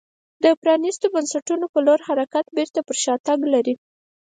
د پرانیستو بنسټونو په لور حرکت بېرته پر شا تګ لري.